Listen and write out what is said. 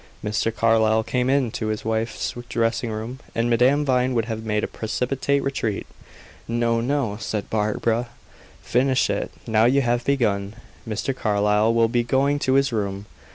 Mr. Carlyle came into his wife's dressing room, and Madame Vine would have made a precipitate retreat. "No, no," said Barbara, "finish it, now you have begun. Mr. Carlyle will be going to his room.